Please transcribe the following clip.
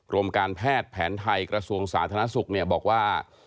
โรงการแพทย์แผนไทยกระทรวงสาธารณสุขบอกว่า